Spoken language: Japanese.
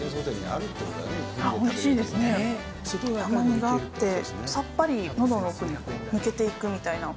甘みがあって、さっぱりのどの奥に抜けていくみたいな。